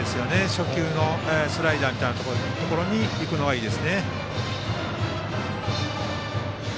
初球のスライダーみたいにいくといいですね。